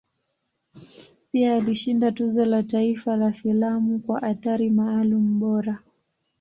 Pia alishinda Tuzo la Taifa la Filamu kwa Athari Maalum Bora.